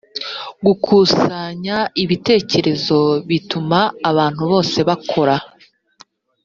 gukusanya ibitekerezo bituma abantu bose bakora.